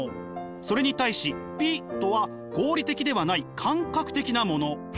それに対し美とは合理的ではない感覚的なもの。